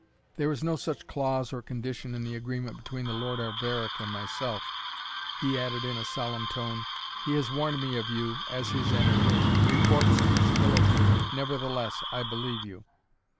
"There is no such clause or condition in the agreement between the Lord Alberic and myself. It is true," he added in a solemn tone, "he has warned me of you, as his enemy. Report speaks ill of you. Nevertheless I believe you."